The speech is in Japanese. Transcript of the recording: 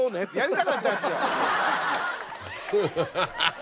ハハハハ。